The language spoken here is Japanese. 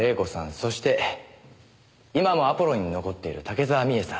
そして今もアポロンに残っている竹沢美枝さん。